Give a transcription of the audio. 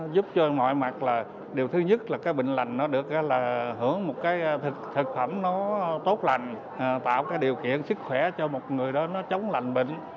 giúp cho mọi mặt là điều thứ nhất là cái bệnh lành nó được là hưởng một cái thực phẩm nó tốt lành tạo cái điều kiện sức khỏe cho một người đó nó chống lành bệnh